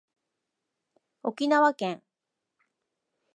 沖縄県